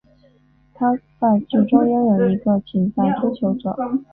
她在剧中拥有一个潜在追求者。